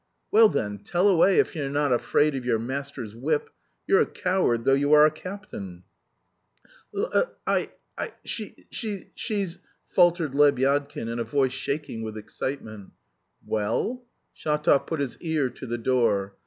"Well then, tell away if you're not afraid of your master's whip.... You're a coward, though you are a captain!" "I... I... she's... she's..." faltered Lebyadkin in a voice shaking with excitement. "Well?" Shatov put his ear to the door.